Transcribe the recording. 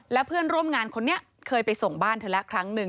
แล้วเพื่อนร่วมงานคนนี้เคยไปส่งบ้านเธอแล้วครั้งหนึ่ง